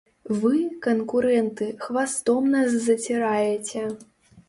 Вы, канкурэнты, хвастом нас заціраеце!